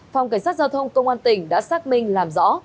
phòng cảnh sát giao thông công an tỉnh đã xác minh làm rõ